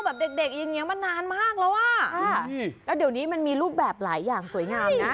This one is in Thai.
แบบเด็กยังเงียงมานานมากแล้วว่ะอื้อนี่แล้วเดี๋ยวนี้มันมีรูปแบบหลายอย่างสวยงามนะ